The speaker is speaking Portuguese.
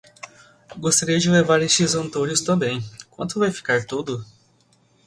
Gostaria de levar estes antúrios também. Quanto vai ficar tudo?